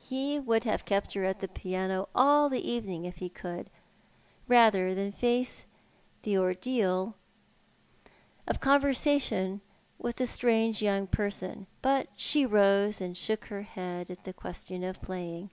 He would have kept her at the piano all the evening if he could, rather than face the ordeal of 58 TJioit art the Man. conversation with a strange young person; but she rose and shook her head at the question of playing.